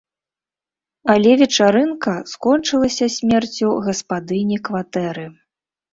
Але вечарынка скончылася смерцю гаспадыні кватэры.